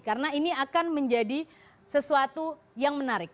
karena ini akan menjadi sesuatu yang menarik